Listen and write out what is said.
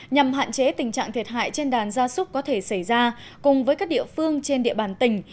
nhằm hạn chế tình trạng thiệt hại trên đàn gia súc có thể xảy ra cùng với các địa phương trên địa bàn tỉnh